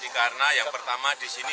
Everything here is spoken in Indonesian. karena yang pertama disini